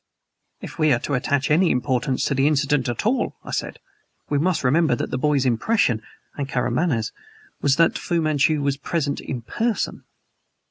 "If we are to attach any importance to the incident at all," I said, "we must remember that the boy's impression and Karamaneh's was that Fu Manchu was present in person."